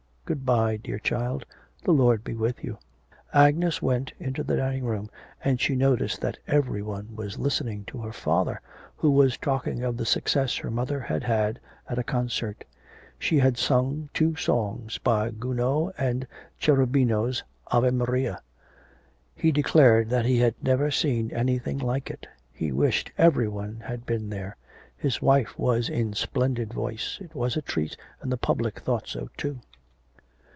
Good bye, dear child. The Lord be with you.' Agnes went into the dining room, and she noticed that every one was listening to her father, who was talking of the success her mother had had at a concert. She had sung two songs by Gounod and Cherubino's Ave Maria. He declared that he had never seen anything like it. He wished every one had been there. His wife was in splendid voice. It was a treat, and the public thought so too.